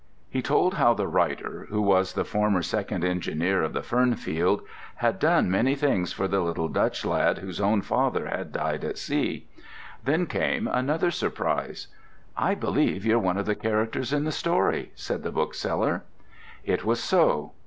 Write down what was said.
He told how the writer, who was the former second engineer of the Fernfield, had done many things for the little Dutch lad whose own father had died at sea. Then came another surprise. "I believe you're one of the characters in the story," said the bookseller. It was so.